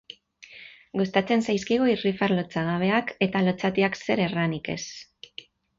Gustatzen zaizkigu irrifar lotsagabeak, eta lotsatiak zer erranik ez.